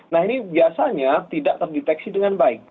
nah ini biasanya tidak terdeteksi dengan baik